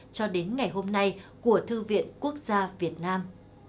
cho đến ngày hôm nay của thư viện quốc gia việt nam